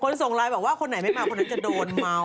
คนที่ส่งไลน์บอกว่าคนไหนพี่มาคนนั้นก็จะโดนเมา